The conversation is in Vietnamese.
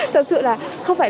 thật sự là không phải là